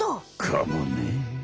かもね。